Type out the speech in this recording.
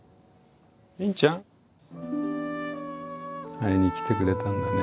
会いに来てくれたんだね。